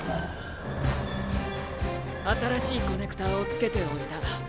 新しいコネクターを付けておいた。